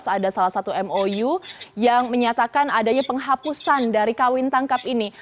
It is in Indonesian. ada salah satu mou yang menyatakan adanya penghapusan dari kawin tangkap ini